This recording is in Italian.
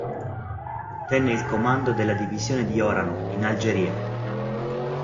Ottenne il comando della divisione di Orano, in Algeria.